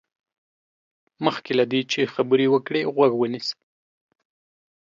مخکې له دې چې خبرې وکړې، غوږ ونيسه.